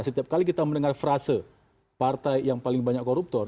setiap kali kita mendengar frase partai yang paling banyak koruptor